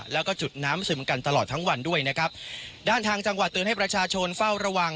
แล้วก็จุดน้ำซึมกันตลอดทั้งวันด้วยนะครับด้านทางจังหวัดเตือนให้ประชาชนเฝ้าระวัง